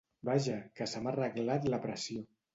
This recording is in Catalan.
Vaja, que se m’ha arreglat la pressió.